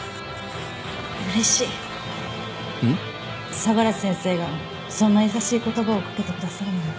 相良先生がそんな優しい言葉をかけてくださるなんて。